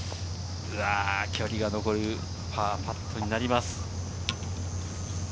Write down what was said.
距離が残るパーパットになります。